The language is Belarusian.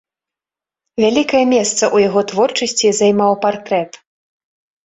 Вялікае месца ў яго творчасці займаў партрэт.